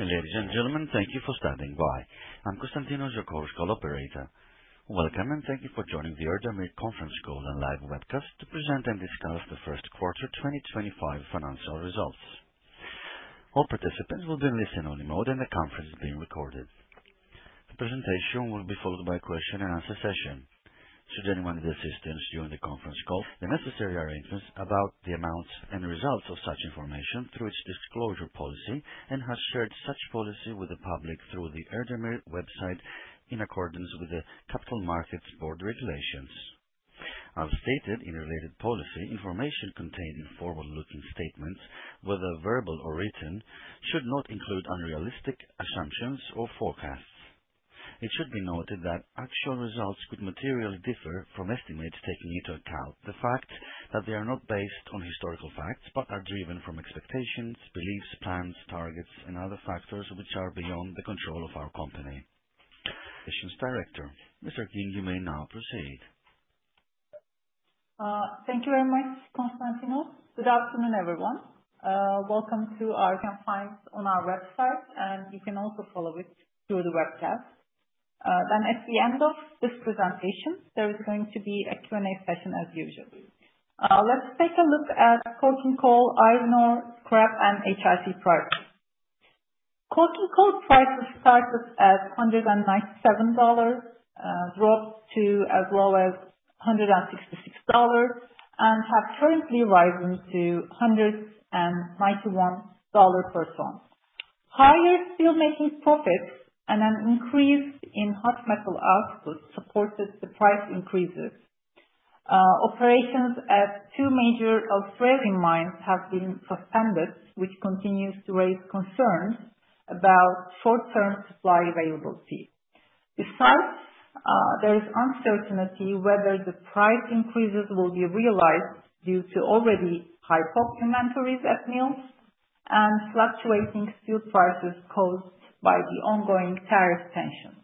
Ladies and gentlemen, thank you for standing by. I'm Konstantinos, your conference call operator. Welcome, and thank you for joining the Erdemir conference call and live webcast to present and discuss the first quarter 2025 financial results. All participants will be in listen-only mode, and the conference is being recorded. The presentation will be followed by a question-and-answer session. Should anyone need assistance during the conference call, the necessary arrangements about the amounts and results of such information through its disclosure policy and has shared such policy with the public through the Erdemir website in accordance with the Capital Markets Board regulations. As stated in related policy, information contained in forward-looking statements, whether verbal or written, should not include unrealistic assumptions or forecasts. It should be noted that actual results could materially differ from estimates, taking into account the fact that they are not based on historical facts but are driven from expectations, beliefs, plans, targets, and other factors which are beyond the control of our company. As their Director, Ms. Ergin, you may now proceed. Thank you very much, Konstantinos. Good afternoon, everyone. Welcome to our website. You can also follow it through the webcast. Then, at the end of this presentation, there is going to be a Q&A session as usual. Let's take a look at the coking coal, iron ore, scrap, and HRC prices. Coking coal prices started at $197, dropped to as low as $166, and have currently risen to $191 per ton. Higher steelmaking profits and an increase in hot metal output supported the price increases. Operations at two major Australian mines have been suspended, which continues to raise concerns about short-term supply availability. Besides, there is uncertainty whether the price increases will be realized due to already high port inventories at mills and fluctuating steel prices caused by the ongoing tariff tensions.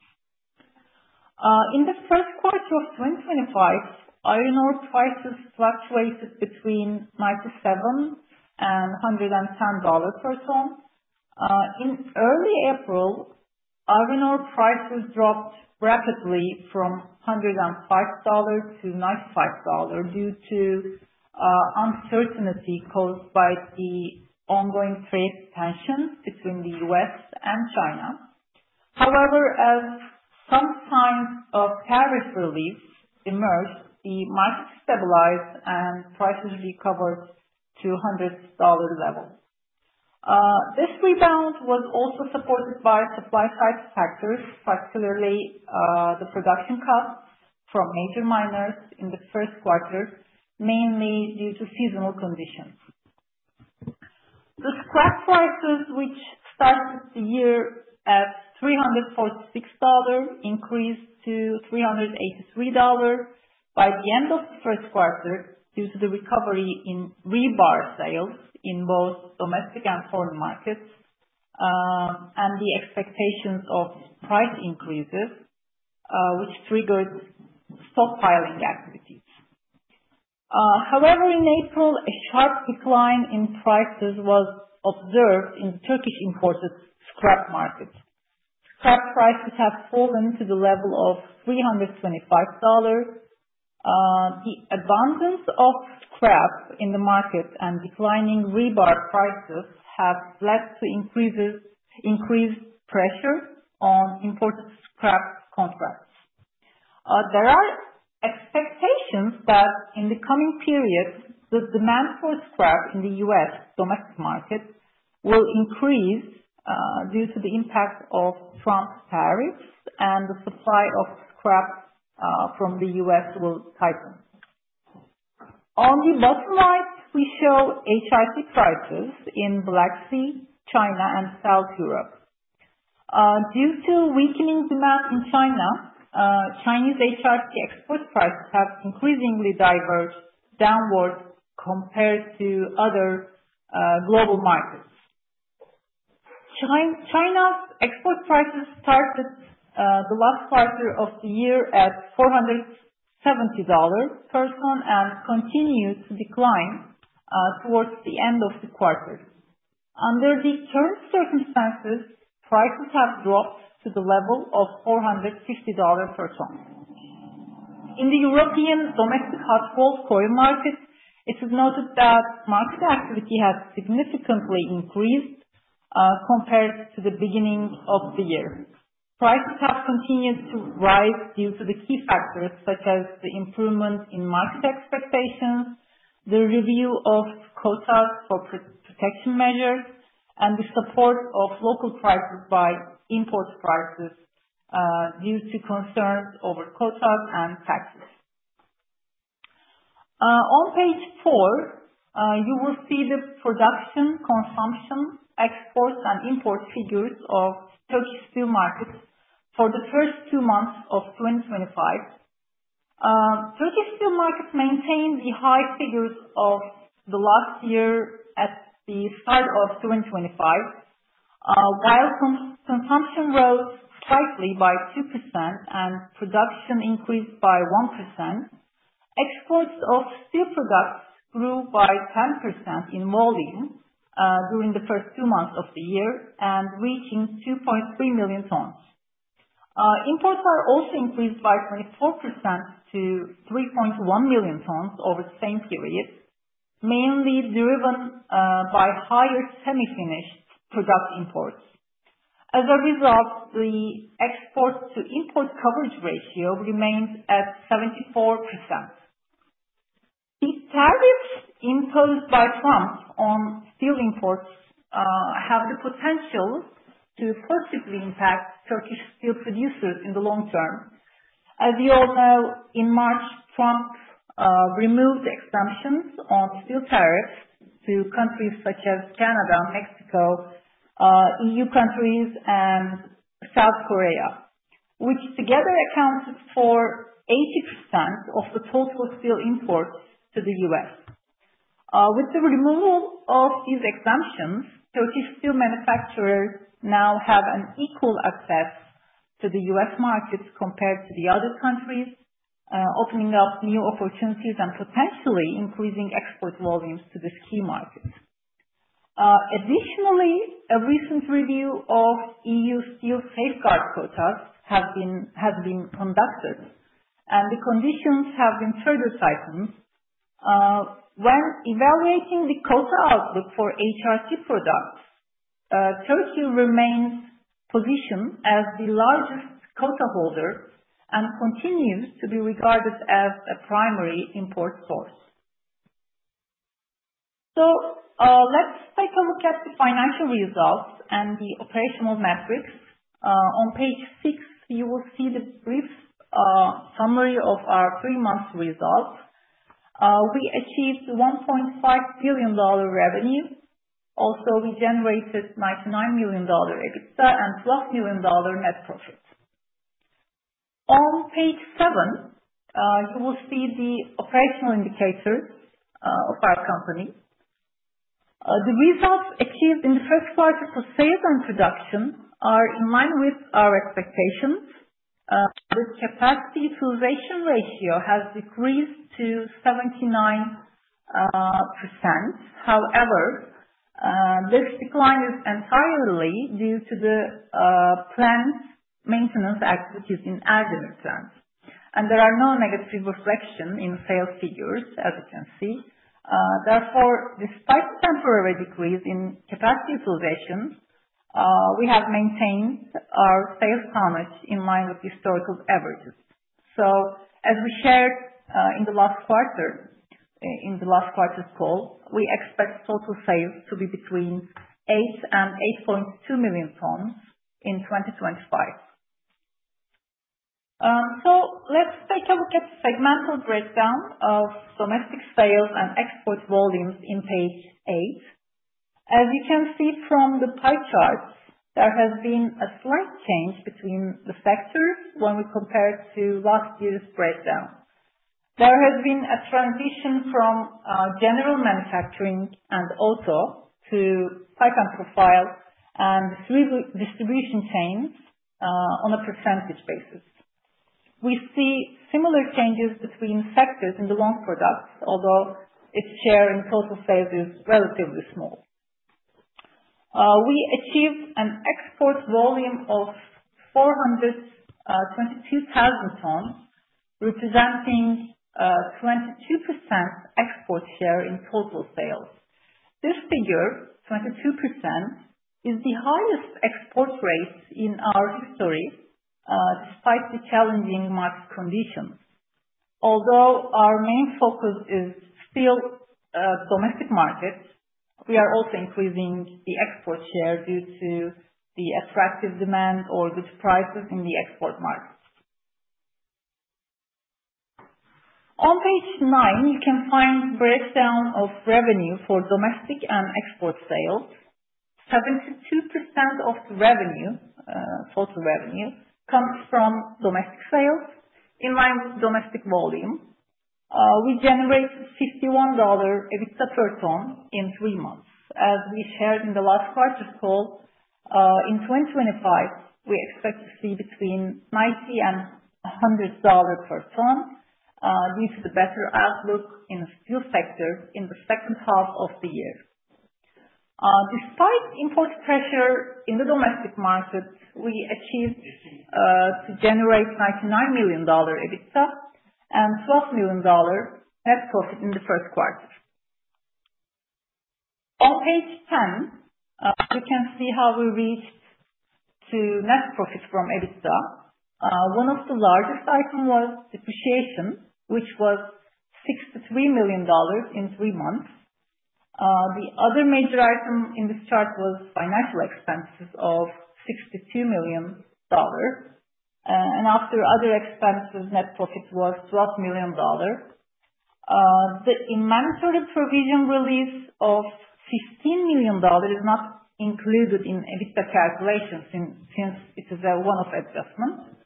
In the first quarter of 2025, iron ore prices fluctuated between $97 and $110 per ton. In early April, iron ore prices dropped rapidly from $105 to $95 due to uncertainty caused by the ongoing trade tensions between the U.S. and China. However, as some signs of tariff relief emerged, the market stabilized, and prices recovered to hundred dollar level. This rebound was also supported by supply-side factors, particularly the production costs from major miners in the first quarter, mainly due to seasonal conditions. The scrap prices, which started the year at $346, increased to $383 by the end of the first quarter due to the recovery in rebar sales in both domestic and foreign markets and the expectations of price increases, which triggered stockpiling activities. However, in April, a sharp decline in prices was observed in the Turkish imported scrap market. Scrap prices have fallen to the level of $325. The abundance of scrap in the market and declining rebar prices have led to increased pressure on imported scrap contracts. There are expectations that in the coming period, the demand for scrap in the U.S. domestic market will increase due to the impact of Trump tariffs, and the supply of scrap from the U.S. will tighten. On the bottom right, we show HRC prices in Black Sea, China, and South Europe. Due to weakening demand in China, Chinese HRC export prices have increasingly diverged downward compared to other global markets. China's export prices started the last quarter of the year at $470 per ton and continued to decline towards the end of the quarter. Under these current circumstances, prices have dropped to the level of $450 per ton. In the European domestic hot coil market, it is noted that market activity has significantly increased compared to the beginning of the year. Prices have continued to rise due to the key factors such as the improvement in market expectations, the review of quotas for protection measures, and the support of local prices by import prices due to concerns over quotas and taxes. On page four, you will see the production, consumption, exports, and import figures of the Turkish steel market for the first two months of 2025. The Turkish steel market maintained the high figures of the last year at the start of 2025, while consumption rose slightly by 2% and production increased by 1%. Exports of steel products grew by 10% in volume during the first two months of the year, reaching 2.3 million tons. Imports are also increased by 24% to 3.1 million tons over the same period, mainly driven by higher semi-finished product imports. As a result, the export-to-import coverage ratio remains at 74%. The tariffs imposed by Trump on steel imports have the potential to forcibly impact Turkish steel producers in the long term. As you all know, in March, Trump removed exemptions on steel tariffs to countries such as Canada, Mexico, E.U. countries, and South Korea, which together account for 80% of the total steel imports to the U.S. With the removal of these exemptions, Turkish steel manufacturers now have equal access to the U.S. markets compared to the other countries, opening up new opportunities and potentially increasing export volumes to the key markets. Additionally, a recent review of E.U. steel safeguard quotas has been conducted, and the conditions have been further tightened. When evaluating the quota outlook for HRC products, Turkey remains positioned as the largest quota holder and continues to be regarded as a primary import source. Let's take a look at the financial results and the operational metrics. On page six, you will see the brief summary of our three-month result. We achieved $1.5 billion revenue. Also, we generated $99 million EBITDA and $12 million net profit. On page seven, you will see the operational indicators of our company. The results achieved in the first quarter for sales and production are in line with our expectations. The capacity utilization ratio has decreased to 79%. However, this decline is entirely due to the planned maintenance activities in Erdemir plant. There are no negative reflections in sales figures, as you can see. Therefore, despite the temporary decrease in capacity utilization, we have maintained our sales targets in line with historical averages. As we shared in the last quarter's call, we expect total sales to be between 8 and 8.2 million tons in 2025. Let's take a look at the segmental breakdown of domestic sales and export volumes on page eight. As you can see from the pie chart, there has been a slight change between the sectors when we compare to last year's breakdown. There has been a transition from general manufacturing and auto to pipe and profile and distribution chains on a percentage basis. We see similar changes between sectors in the long product, although its share in total sales is relatively small. We achieved an export volume of 422,000 tons, representing a 22% export share in total sales. This figure, 22%, is the highest export rate in our history despite the challenging market conditions. Although our main focus is still domestic markets, we are also increasing the export share due to the attractive demand or good prices in the export markets. On page nine, you can find a breakdown of revenue for domestic and export sales. 72% of total revenue comes from domestic sales in line with domestic volume. We generate $51 EBITDA per ton in three months. As we shared in the last quarter's call, in 2025, we expect to see between $90 and $100 per ton due to the better outlook in the steel sector in the second half of the year. Despite import pressure in the domestic market, we achieved to generate $99 million EBITDA and $12 million net profit in the first quarter. On page ten, you can see how we reached net profit from EBITDA. One of the largest items was depreciation, which was $63 million in three months. The other major item in this chart was financial expenses of $62 million. After other expenses, net profit was $12 million. The inventory provision release of $15 million is not included in EBITDA calculations since it is one of the adjustments.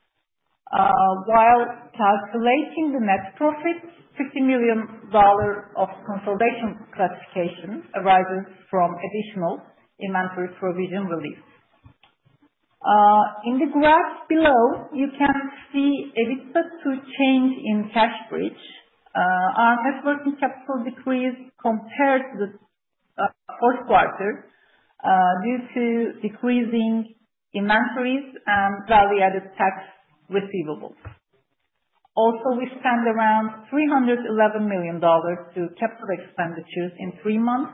While calculating the net profit, $50 million of consolidation classification arises from additional inventory provision release. In the graph below, you can see EBITDA to change in cash bridge. Our net working capital decreased compared to the fourth quarter due to decreasing inventories and value-added tax receivables. Also, we spent around $311 million on capital expenditures in three months.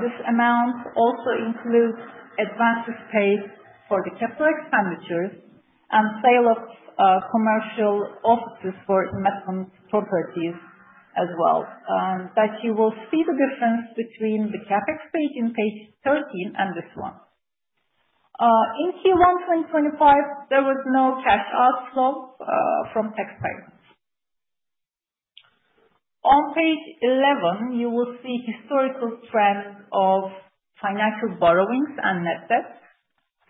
This amount also includes advances paid for the capital expenditures and sale of commercial offices for investment properties as well. That you will see the difference between the CapEx page in page 13 and this one. In Q1 2025, there was no cash outflow from tax payments. On page 11, you will see historical trends of financial borrowings and net debt.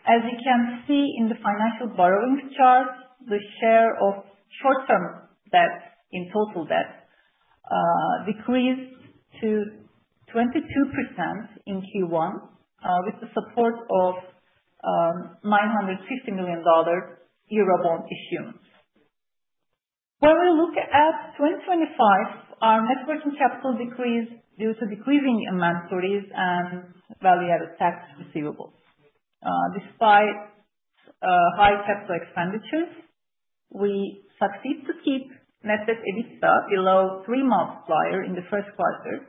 As you can see in the financial borrowings chart, the share of short-term debt in total debt decreased to 22% in Q1, with the support of $950 million Eurobond issuance. When we look at 2025, our net working capital decreased due to decreasing inventories and value-added tax receivables. Despite high capital expenditures, we succeeded to keep net debt EBITDA below 3 multiplier in the first quarter,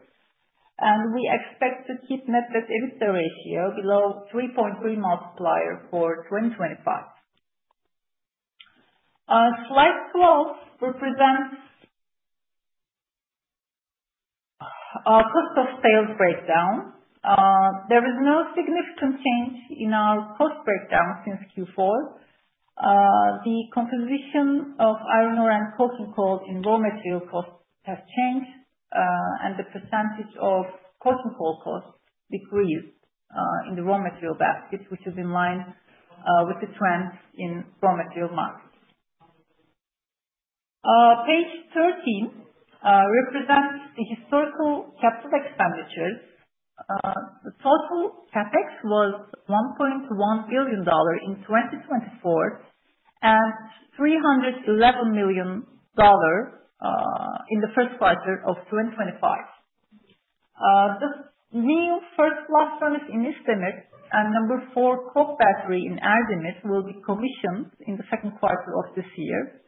and we expect to keep net debt EBITDA ratio below 3.3 multiplier for 2025. Slide 12 represents our cost-of-sales breakdown. There is no significant change in our cost breakdown since Q4. The composition of iron ore and coking coal in raw material costs has changed, and the percentage of coking coal costs decreased in the raw material basket, which is in line with the trend in raw material markets. Page 13 represents the historical capital expenditures. The total CapEx was $1.1 billion in 2024 and $311 million in the first quarter of 2025. The new blast furnace in İsdemir and number four coke battery in Erdemir will be commissioned in the second quarter of this year.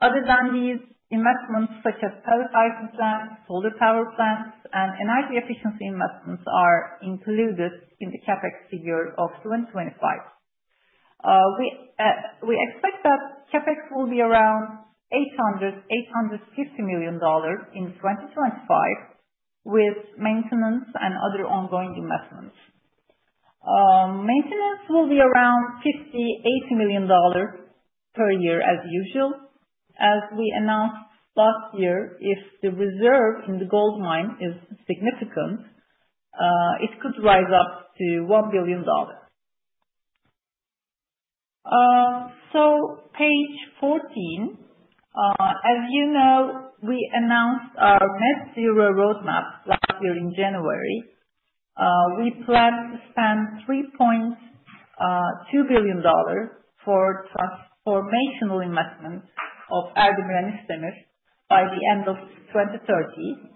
Other than these investments such as pelletizing plants, solar power plants, and energy efficiency investments are included in the CapEx figure of 2025. We expect that CapEx will be around $800-$850 million in 2025 with maintenance and other ongoing investments. Maintenance will be around $50-$80 million per year as usual. As we announced last year, if the reserve in the gold mine is significant, it could rise up to $1 billion. So, page 14, as you know, we announced our net zero roadmap last year in January. We plan to spend $3.2 billion for transformational investments of Erdemir and İsdemir by the end of 2030.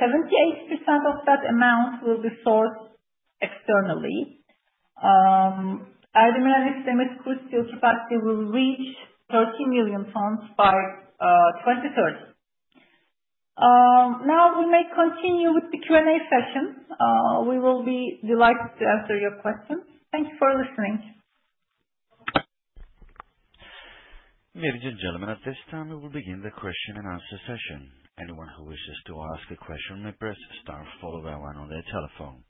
78% of that amount will be sourced externally. Erdemir and İsdemir's cold steel capacity will reach 30 million tons by 2030. Now we may continue with the Q&A session. We will be delighted to answer your questions. Thank you for listening. Ladies and gentlemen, at this time, we will begin the question-and-answer session. Anyone who wishes to ask a question may press * followed by one on their telephone.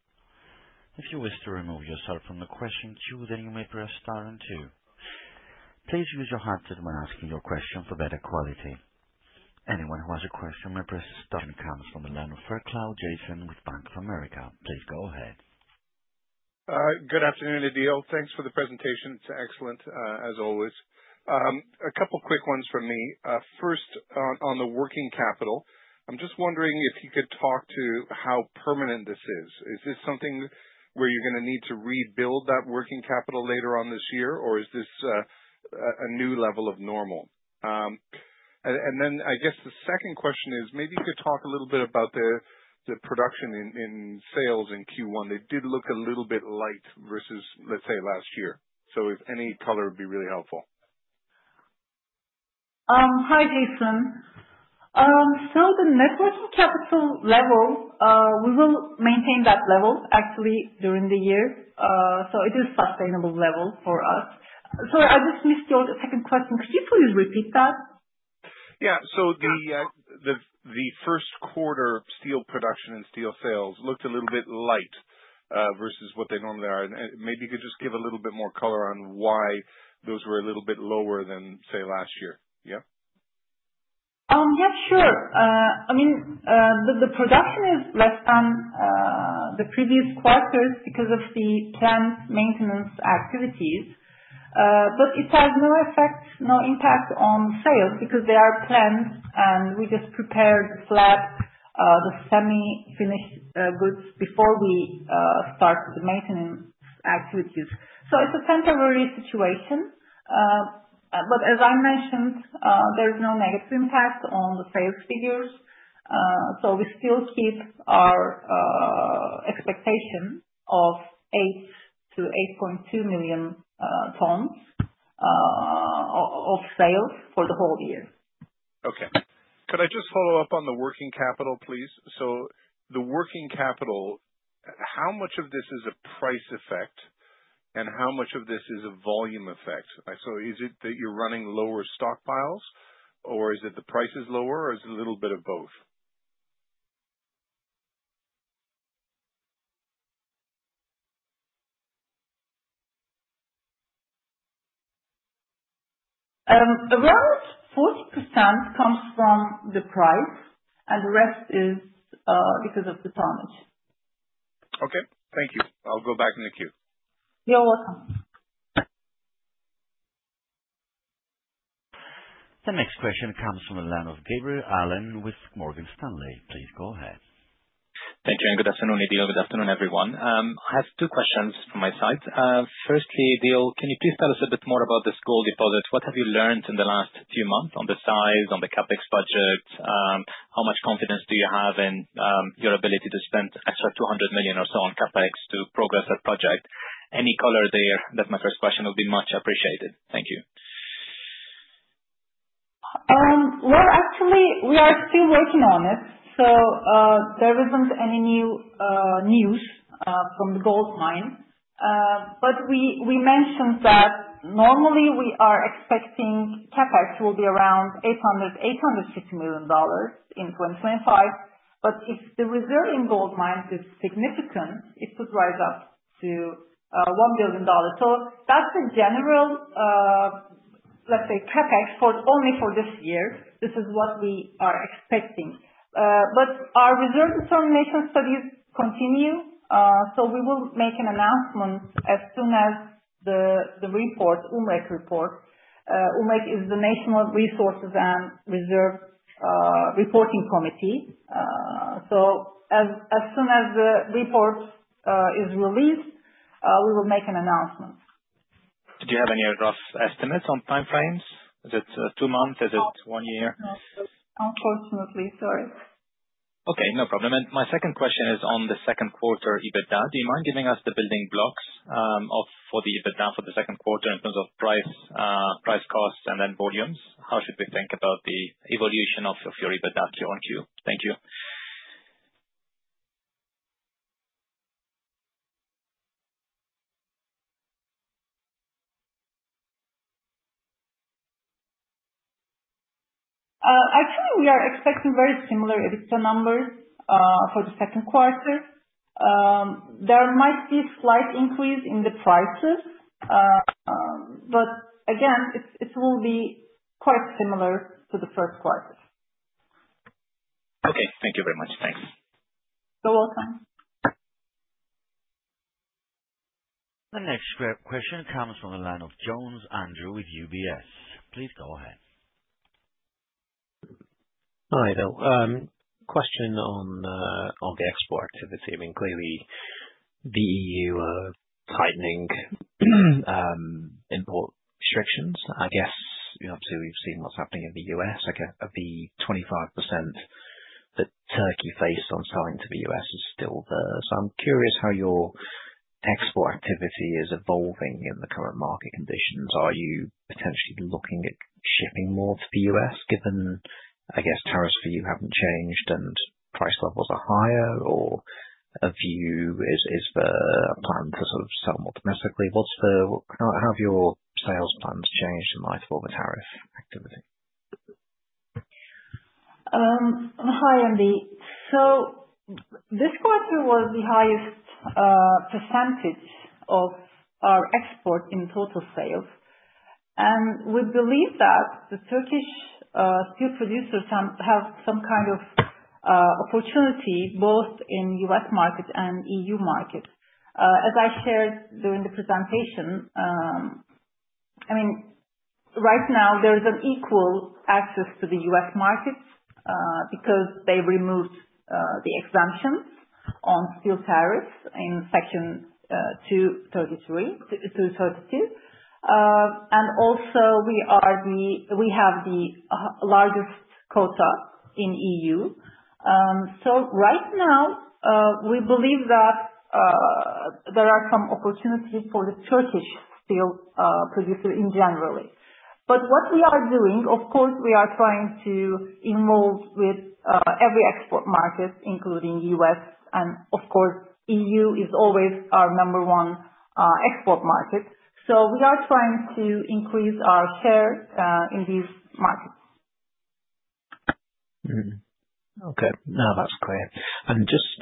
If you wish to remove yourself from the question queue, then you may press * and two. Please use your handset when asking your question for better quality. Anyone who has a question may press * one. The next question comes from the line of Jason Fairclough with Bank of America. Please go ahead. Good afternoon, İdil. Thanks for the presentation. It's excellent, as always. A couple of quick ones from me. First, on the working capital, I'm just wondering if you could talk to how permanent this is. Is this something where you're going to need to rebuild that working capital later on this year, or is this a new level of normal? Then I guess the second question is, maybe you could talk a little bit about the production and sales in Q1. They did look a little bit light versus, let's say, last year. So if any color would be really helpful. Hi, Jason. So the net working capital level, we will maintain that level actually during the year. So it is a sustainable level for us. Sorry, I just missed your second question. Could you please repeat that? Yeah. So the first quarter steel production and steel sales looked a little bit light versus what they normally are. And maybe you could just give a little bit more color on why those were a little bit lower than, say, last year. Yeah? Yeah, sure. I mean, the production is less than the previous quarters because of the planned maintenance activities. But it has no effect, no impact on sales because they are planned, and we just prepared the slab, the semi-finished goods, before we started the maintenance activities. So it's a temporary situation. But as I mentioned, there's no negative impact on the sales figures. So we still keep our expectation of 8-8.2 million tons of sales for the whole year. Okay. Could I just follow up on the working capital, please? So the working capital, how much of this is a price effect, and how much of this is a volume effect? So is it that you're running lower stockpiles, or is it the price is lower, or is it a little bit of both? Around 40% comes from the price, and the rest is because of the tonnage. Okay. Thank you. I'll go back in the queue. You're welcome. The next question comes from the line of Alain Gabriel with Morgan Stanley. Please go ahead. Thank you. And good afternoon, İdil. Good afternoon, everyone. I have two questions from my side. Firstly, İdil, can you please tell us a bit more about this gold deposit? What have you learned in the last few months on the size on the CapEx budget? How much confidence do you have in your ability to spend extra $200 million or so on CapEx to progress that project? Any color there? That's my first question. It would be much appreciated. Thank you. Well, actually, we are still working on it. So there isn't any news from the gold mine. But we mentioned that normally we are expecting CapEx will be around $800 million-$850 million in 2025. But if the reserve in gold mines is significant, it could rise up to $1 billion. So that's the general, let's say, CapEx only for this year. This is what we are expecting. But our reserve determination studies continue. So we will make an announcement as soon as the report, the UMREK report. UMREK is the National Resources and Reserves Reporting Committee. So as soon as the report is released, we will make an announcement. Did you have any rough estimates on timeframes? Is it two months? Is it one year? No, unfortunately. Sorry. Okay. No problem. And my second question is on the second quarter EBITDA. Do you mind giving us the building blocks for the EBITDA for the second quarter in terms of prices, costs, and then volumes? How should we think about the evolution of your EBITDA Q1 to Q2? Thank you. Actually, we are expecting very similar EBITDA numbers for the second quarter. There might be a slight increase in the prices. But again, it will be quite similar to the first quarter. Okay. Thank you very much. Thanks. You're welcome. The next question comes from Andrew Jones, Andrew with UBS. Please go ahead. Hi, İdil. Question on the export activity. I mean, clearly, the E.U. are tightening import restrictions. I guess, obviously, we've seen what's happening in the U.S. The 25% that Turkey faced on selling to the U.S. is still there. So I'm curious how your export activity is evolving in the current market conditions. Are you potentially looking at shipping more to the U.S. given, I guess, tariffs for you haven't changed and price levels are higher, or a view is the plan to sort of sell more domestically? How have your sales plans changed in light of all the tariff activity? Hi, Andy. So this quarter was the highest percentage of our exports in total sales. And we believe that the Turkish steel producers have some kind of opportunity both in the U.S. market and E.U. market. As I shared during the presentation, I mean, right now, there is an equal access to the U.S. market because they removed the exemptions on steel tariffs in Section 232. And also, we have the largest quota in the E.U. so right now, we believe that there are some opportunities for the Turkish steel producers in general. But what we are doing, of course, we are trying to involve with every export market, including the U.S.. And of course, E.U. is always our number one export market. So we are trying to increase our share in these markets. Okay. No, that's great. And just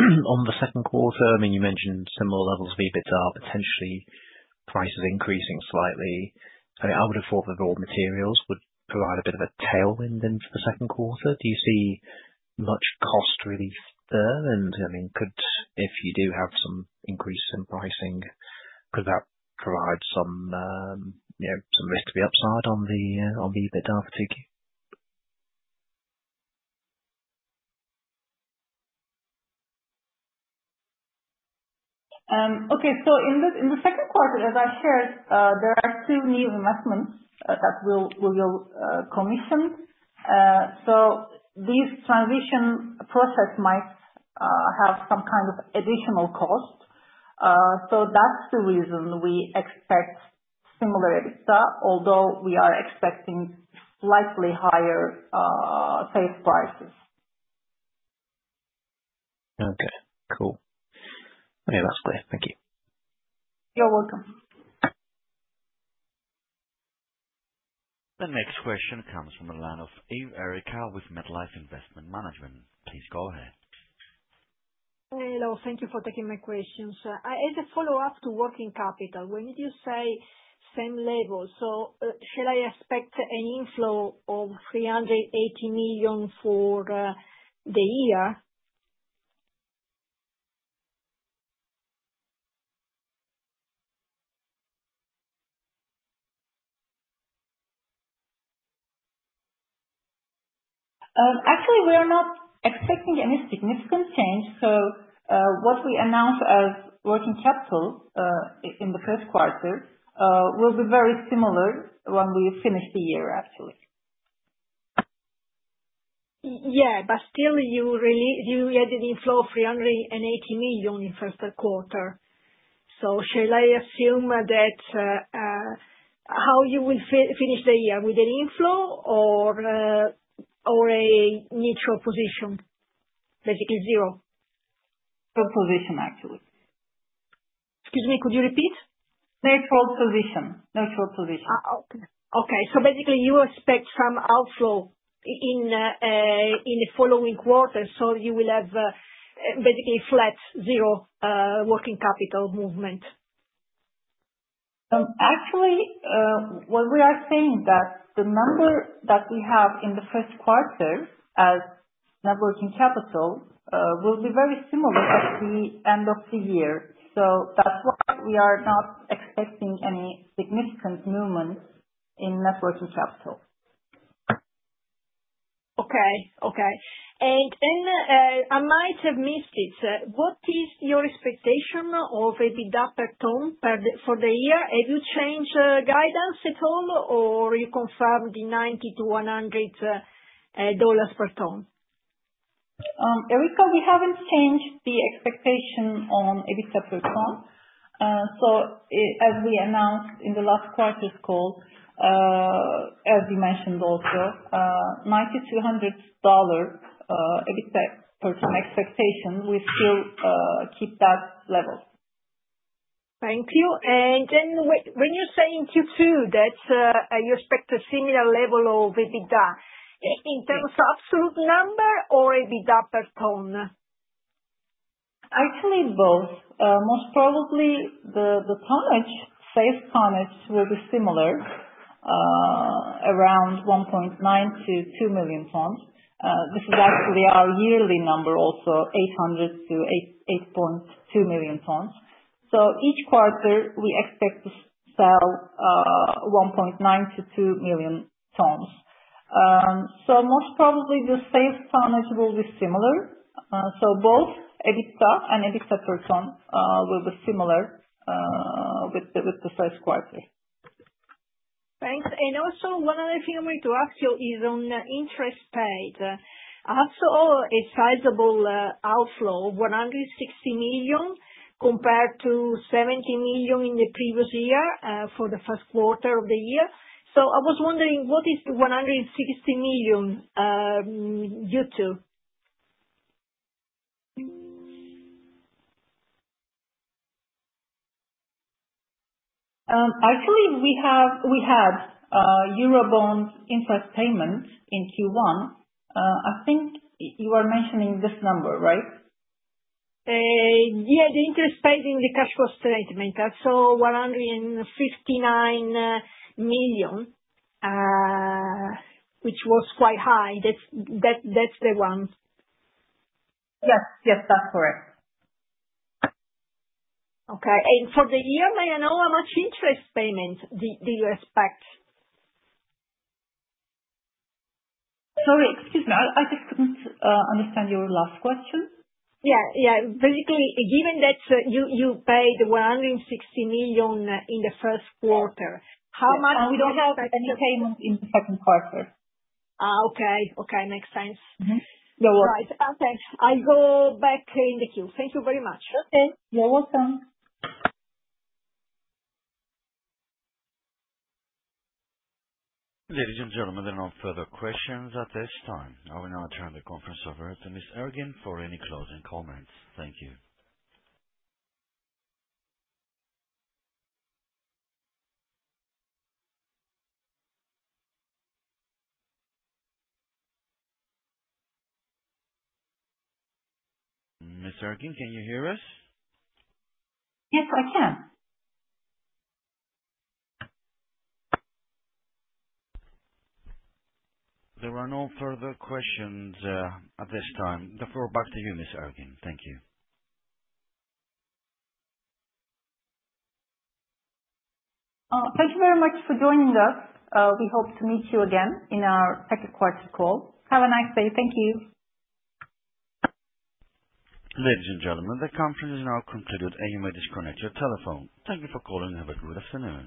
on the second quarter, I mean, you mentioned similar levels of EBITDA, potentially prices increasing slightly. I mean, I would have thought that raw materials would provide a bit of a tailwind into the second quarter. Do you see much cost relief there? And I mean, if you do have some increase in pricing, could that provide some risk to the upside on the EBITDA particularly? Okay. So in the second quarter, as I shared, there are two new investments that we will commission. So this transition process might have some kind of additional cost. So that's the reason we expect similar EBITDA, although we are expecting slightly higher sales prices. Okay. Cool. Okay. That's clear. Thank you. You're welcome. The next question comes from the line of Erica Ivey with MetLife Investment Management. Please go ahead. Hello. Thank you for taking my questions. As a follow-up to working capital, when did you say same level? So shall I expect an inflow of $380 million for the year? Actually, we are not expecting any significant change. So what we announced as working capital in the first quarter will be very similar when we finish the year, actually. Yeah. But still, you added inflow of $380 million in the first quarter. So shall I assume that how you will finish the year, with an inflow or a neutral position, basically zero? Full position, actually. Excuse me, could you repeat? Neutral position. Neutral position. Okay. So basically, you expect some outflow in the following quarter, so you will have basically flat, zero working capital movement? Actually, what we are saying is that the number that we have in the first quarter as net working capital will be very similar at the end of the year. So that's why we are not expecting any significant movement in net working capital. Okay. Okay. And then I might have missed it. What is your expectation of EBITDA per ton for the year? Have you changed guidance at all, or you confirmed the $90-$100 per ton? Erica, we haven't changed the expectation on EBITDA per ton. So as we announced in the last quarter's call, as you mentioned also, $90-$100 EBITDA per ton expectation, we still keep that level. Thank you. And then when you're saying Q2, that's you expect a similar level of EBITDA in terms of absolute number or EBITDA per ton? Actually, both. Most probably, the sales tonnage will be similar, around 1.9-2 million tons. This is actually our yearly number also, 8-8.2 million tons. So each quarter, we expect to sell 1.9-2 million tons. So most probably, the sales tonnage will be similar. So both EBITDA and EBITDA per ton will be similar with the first quarter. Thanks. And also, one other thing I wanted to ask you is on interest paid. I have seen a sizable outflow, $160 million compared to $70 million in the previous year for the first quarter of the year. So I was wondering, what is the $160 million due to? Actually, we had Eurobond interest payments in Q1. I think you were mentioning this number, right? Yeah, the interest paid in the cash flow statement. I saw $159 million, which was quite high. That's the one. Yes. Yes, that's correct. Okay. And for the year, may I know how much interest payment do you expect? Sorry. Excuse me. I just couldn't understand your last question. Yeah. Yeah. Basically, given that you paid $160 million in the first quarter, how much do you expect? We don't have any payment in the second quarter. Okay. Okay. Makes sense. You're welcome. Right. Okay. I'll go back in the queue. Thank you very much. Okay. You're welcome. Ladies and gentlemen, there are no further questions at this time. I will now turn the conference over to Ms. Ergin for any closing comments. Thank you. Ms. Ergin, can you hear us? Yes, I can. There are no further questions at this time. Therefore, back to you, Ms. Ergin. Thank you. Thank you very much for joining us. We hope to meet you again in our second quarter call. Have a nice day. Thank you. Ladies and gentlemen, the conference is now concluded, and you may disconnect your telephone. Thank you for calling. Have a good afternoon.